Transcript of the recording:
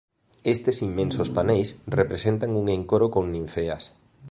Estes inmensos paneis representan un encoro con ninfeas.